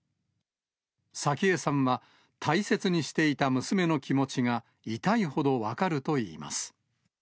早紀江さんは、大切にしていた娘の気持ちが痛いほど分かるといいます。